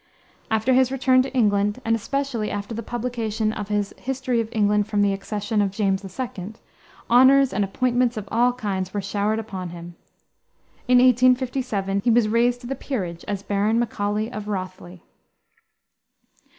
After his return to England, and especially after the publication of his History of England from The Accession of James II., honors and appointments of all kinds were showered upon him. In 1857 he was raised to the peerage as Baron Macaulay of Rothley.